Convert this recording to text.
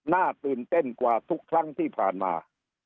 ตื่นเต้นกว่าทุกครั้งที่ผ่านมา